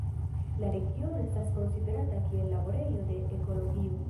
La regiono estas konsiderata kiel "laborejo de ekologio".